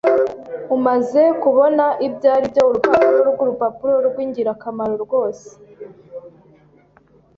Umaze kubona ibyaribyo, urupapuro rwurupapuro rwingirakamaro rwose.